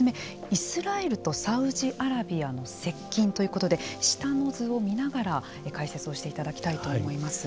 イスラエルとサウジアラビアの接近ということで下の図を見ながら解説をしていただきたいと思います。